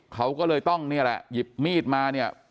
เขาก็เลยต้องเนี่ยแหละหยิบมีดมาเนี่ย